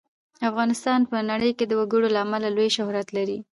افغانستان په نړۍ کې د وګړي له امله لوی شهرت لري.